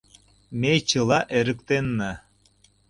Ме чыла эрыктенна».